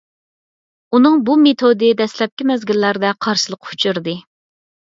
ئۇنىڭ بۇ مېتودى دەسلەپكى مەزگىللەردە قارشىلىققا ئۇچرىدى.